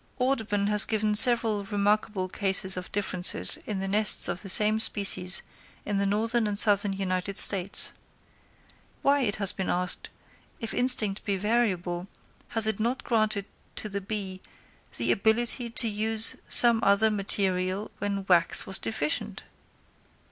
Audubon has given several remarkable cases of differences in the nests of the same species in the northern and southern United States. Why, it has been asked, if instinct be variable, has it not granted to the bee "the ability to use some other material when wax was deficient?"